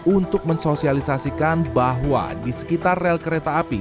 untuk mensosialisasikan bahwa di sekitar rel kereta api